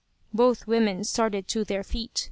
Both women started to their feet.